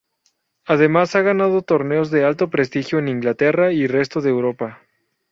Además ha ganado torneos de alto prestigio en Inglaterra y resto de Europa.